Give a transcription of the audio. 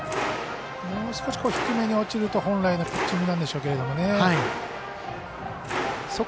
もう少し低めに落ちると本来のピッチングなんでしょうが。